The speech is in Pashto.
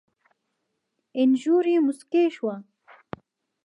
اينږور يې موسکۍ شوه.